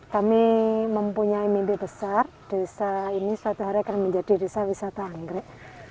kami mempunyai mimpi besar desa ini suatu hari akan menjadi desa wisata anggrek